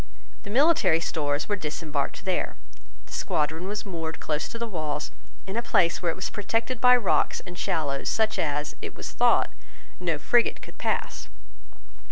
The military stores were disembarked there. The squadron was moored close to the walls in a place where it was protected by rocks and shallows such as, it was thought, no frigate could pass.